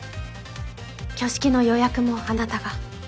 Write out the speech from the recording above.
挙式の予約もあなたが？